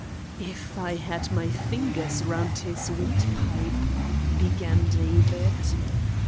"If I had my fingers round his windpipe " began David.